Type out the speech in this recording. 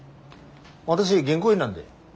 私銀行員なんで。